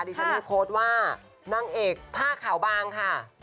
ดิฉันให้โค้ดว่านางเอกผ้าขาวบางค่ะ